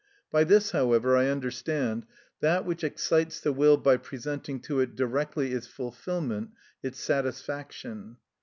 By this, however, I understand, that which excites the will by presenting to it directly its fulfilment, its satisfaction.